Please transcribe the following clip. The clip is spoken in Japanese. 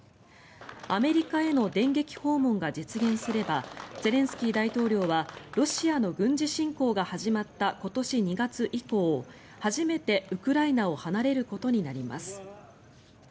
アメリカへの電撃訪問が実現すればゼレンスキー大統領はロシアの軍事侵攻が始まった今年２月以降初めてウクライナを離れることになります。